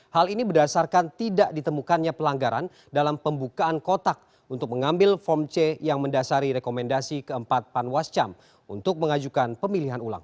hal ini berdasarkan tidak ditemukannya pelanggaran dalam pembukaan kotak untuk mengambil form c yang mendasari rekomendasi keempat panwascam untuk mengajukan pemilihan ulang